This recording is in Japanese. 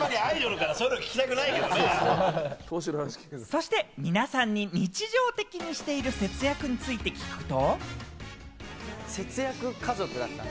そして皆さんに、日常的にしている節約について聞くと。